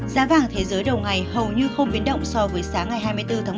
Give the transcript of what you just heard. giá vàng thế giới đầu ngày hầu như không biến động so với sáng ngày hai mươi bốn tháng một